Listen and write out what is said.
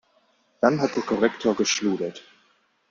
Dann hat der Korrektor geschludert.